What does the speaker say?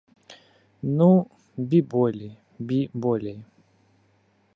Ну, бі болей, бі болей.